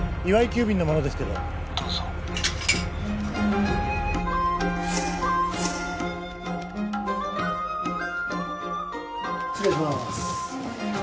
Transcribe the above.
急便の者ですけどどうぞ失礼します